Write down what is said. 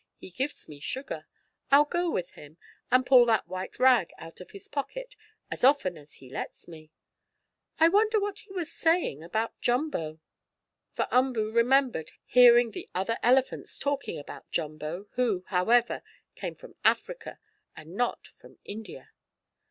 He gives me sugar. I'll go with him, and pull that white rag out of his pocket as often as he lets me. I wonder what he was saying about Jumbo?" For Umboo remembered hearing the other elephants talking about Jumbo, who, however, came from Africa and not from India.